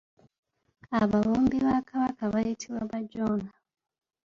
Ababumbi ba kabaka bayitibwa Bajoona.